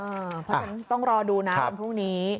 เพราะฉะนั้นต้องรอดูนะวันพรุ่งนี้